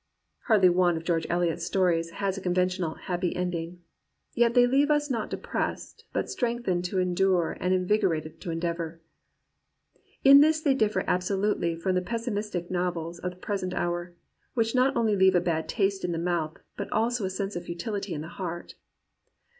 " Hardly one of George Eliot's stories has a con ventional "happy ending." Yet they leave us not depressed, but strengthened to endure and invigor ated to endeavour. In this they differ absolutely from the pessimistic novels of the present hour, which not only leave a bad taste in the mouth, but also a sense of futility in the heart.